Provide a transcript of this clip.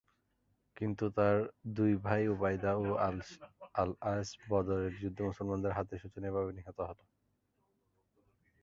কিন্তু তার দুই ভাই উবাইদা ও আল আস বদরের যুদ্ধে মুসলমানদের হাতে শোচনীয় ভাবে নিহত হলো।